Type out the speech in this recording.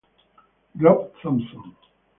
Rob Thomson